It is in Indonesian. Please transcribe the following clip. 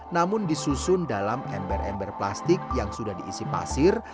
namun disusun dalam ember ember plastik yang sudah diisi pasir